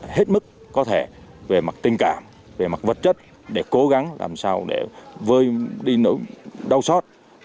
hết mức có thể về mặt tình cảm về mặt vật chất để cố gắng làm sao để vơi đi đau xót